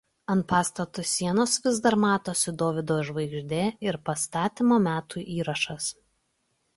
Ant pastato sienos vis dar matosi Dovydo žvaigždė ir pastatymo metų įrašas.